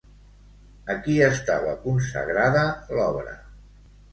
A qui estava consagrada l'obra?